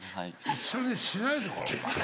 一緒にしないでくれお前。